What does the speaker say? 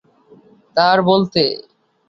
তা আর বলতে!